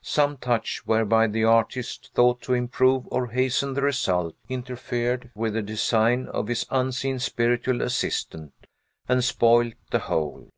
some touch, whereby the artist thought to improve or hasten the result, interfered with the design of his unseen spiritual assistant, and spoilt the whole.